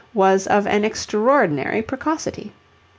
was of an extraordinary precocity.